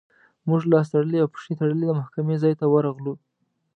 موږ لاس تړلي او پښې تړلي د محکمې ځای ته ورغلو.